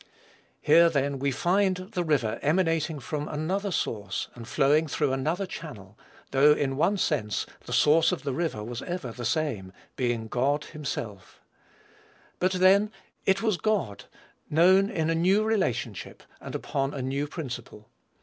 Here, then, we find the river emanating from another source, and flowing through another channel; though, in one sense, the source of the river was ever the same, being God himself; but, then, it was God, known in a new relationship and upon a new principle.